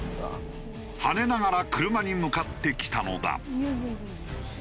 跳ねながら車に向かってきたのだ。